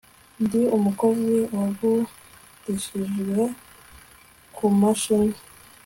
ndi umukozi wagurishijwe kumashini